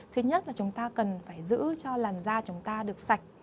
thứ nhất là chúng ta cần phải giữ cho làn da chúng ta được sạch